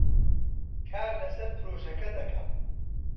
کار لەسەر پرۆژەکەم دەکەم.